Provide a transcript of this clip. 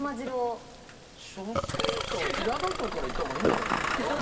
初心者は平戸城から行った方がいいんじゃないんですか？